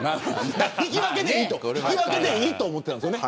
引き分けでいいと思ってたんですよね。